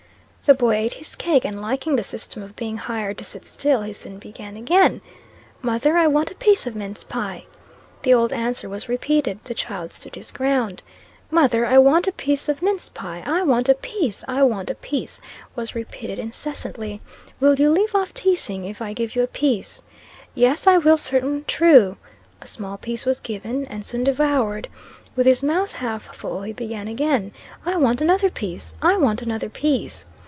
The boy ate his cake; and liking the system of being hired to sit still, he soon began again, 'Mother, I want a piece of mince pie.' The old answer was repeated. The child stood his ground, 'Mother, I want a piece of mince pie I want a piece I want a piece,' was repeated incessantly. 'Will you leave off teasing, If I give you a piece?' 'Yes, I will certain true,' A small piece was given, and soon devoured. With his mouth half full, he began again, 'I want another piece I want another piece.'